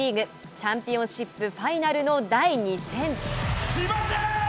チャンピオンシップファイナルの第２戦。